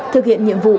thực hiện nhiệm vụ